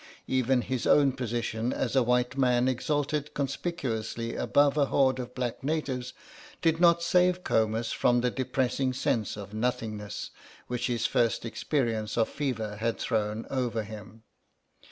Even his own position as a white man exalted conspicuously above a horde of black natives did not save Comus from the depressing sense of nothingness which his first experience of fever had thrown over him.